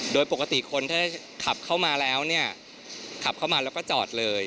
โดยปกติคนถ้าขับเข้ามาแล้วเนี่ยขับเข้ามาแล้วก็จอดเลย